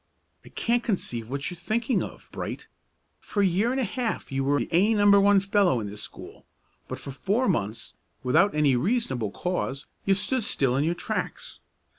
"I can't conceive what you're thinking of, Bright! For a year and a half you were the A No. 1 fellow in this school; but for four months, without any reasonable cause, you've stood still in your tracks.